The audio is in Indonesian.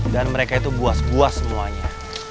dan mereka itu buas buas semuanya